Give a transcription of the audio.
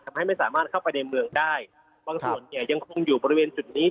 ทำให้ไม่สามารถเข้าไปในเมืองได้บางส่วนเนี่ยยังคงอยู่บริเวณจุดนี้